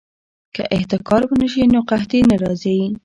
که احتکار ونه شي نو قحطي نه راځي.